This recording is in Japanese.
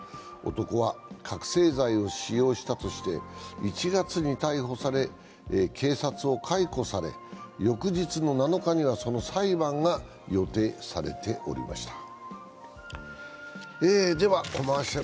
男は覚醒剤を使用したとして１月に逮捕され、警察を解雇され、翌日の７日にはその裁判が予定されておりました。